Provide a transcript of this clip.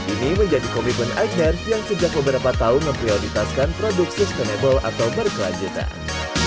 ini menjadi komitmen ichard yang sejak beberapa tahun memprioritaskan produk sustainable atau berkelanjutan